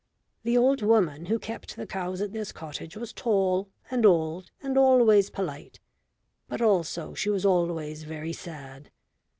The old woman who kept the cows at this cottage was tall and old and always polite, but also she was always very sad.